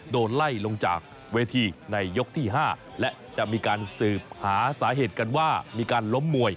โดนไล่ลงจากเวทีในยกที่๕และจะมีการสืบหาสาเหตุกันว่ามีการล้มมวย